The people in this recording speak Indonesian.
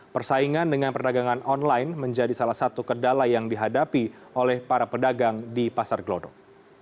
persaingan dengan perdagangan online menjadi salah satu kendala yang dihadapi oleh para pedagang di pasar gelodok